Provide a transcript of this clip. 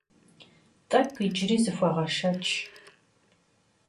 Тӏэкӏу иджыри зыхугъэшэч.